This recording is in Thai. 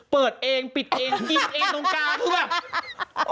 เปิดเองปิดเองกินเองตรงกลางคือแบบ